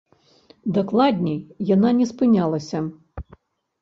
Дакладней, яна не спынялася.